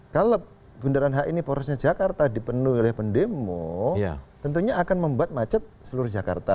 kalau bundaran hi ini porosnya jakarta dipenuhi oleh pendemo tentunya akan membuat macet seluruh jakarta